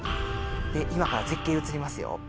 今から絶景うつりますよ